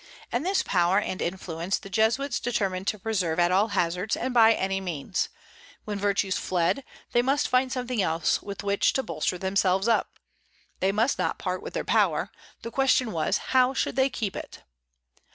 And this power and influence the Jesuits determined to preserve at all hazards and by any means; when virtues fled, they must find something else with which to bolster themselves up: they must not part with their power; the question was, how should they keep it?